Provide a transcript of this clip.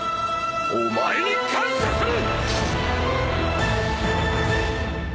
お前に感謝する！！